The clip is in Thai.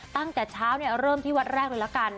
ตั้งแต่เช้าเริ่มที่วัดแรกเลยละกัน